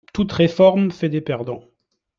Toute réforme fait des perdants